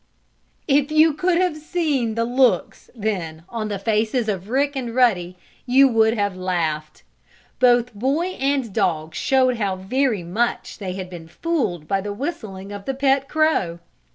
If you could have seen the looks, then, on the faces of Rick and Ruddy you would have laughed. Both boy and dog showed how very much they had been fooled by the whistling of the pet crow.